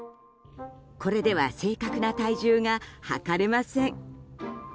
これでは正確な体重が量れません。